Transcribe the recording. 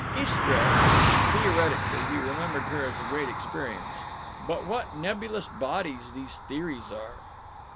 Istra— Theoretically, he remembered her as a great experience. But what nebulous bodies these theories are!